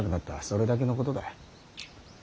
それだけのことだ。